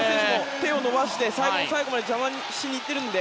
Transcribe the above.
手を伸ばして、最後の最後まで邪魔しにいっているので。